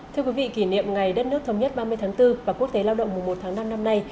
thưa quý vị kỷ niệm ngày đất nước thống nhất ba mươi tháng bốn và quốc tế lao động mùa một tháng năm năm nay